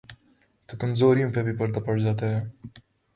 تو کمزوریوں پہ بھی پردہ پڑ جاتاہے۔